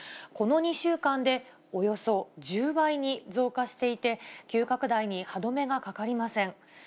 この２週間でおよそ１０倍に増加していて、急拡大に歯止めがかかりません。